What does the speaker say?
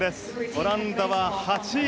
オランダは８位。